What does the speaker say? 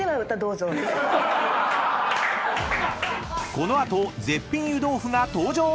［この後絶品湯豆腐が登場］